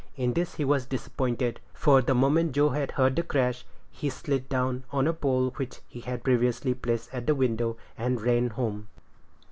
In this he was disappointed, for the moment Joe heard the crash, he slid down on a pole, which he had previously placed at the window, and ran home.